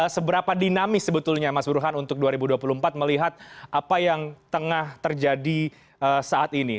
seberapa dinamis sebetulnya mas burhan untuk dua ribu dua puluh empat melihat apa yang tengah terjadi saat ini